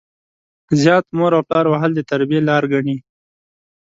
زيات مور او پلار وهل د تربيې لار ګڼي.